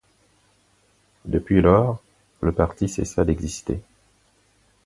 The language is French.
Depuis lors, le parti cessa d'exister.